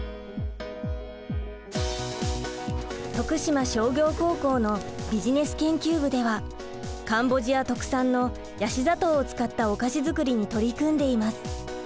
徳島商業高校のビジネス研究部ではカンボジア特産のヤシ砂糖を使ったお菓子づくりに取り組んでいます。